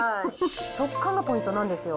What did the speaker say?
食感がポイントなんですよ。